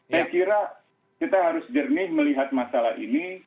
jadi saya kira kita harus jernih melihat masalah ini